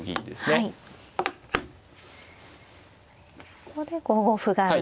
ここで５五歩があると。